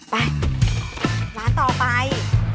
ไปร้านต่อไป